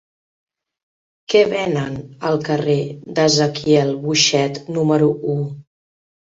Què venen al carrer d'Ezequiel Boixet número u?